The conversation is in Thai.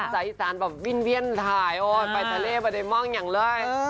ใส่สารแบบวิ่นถ่ายโอ๊ยไปทะเลมาได้มองอย่างเลย